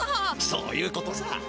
そういうことさ。